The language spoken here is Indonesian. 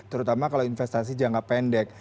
terutama kalau investasi jangka pendek